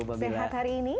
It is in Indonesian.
sehat hari ini